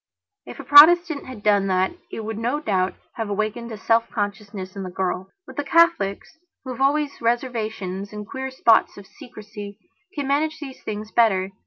If a Protestant had done that it would no doubt have awakened a self consciousness in the girl. But Catholics, who have always reservations and queer spots of secrecy, can manage these things better.